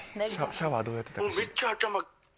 シャワーどうやってたか。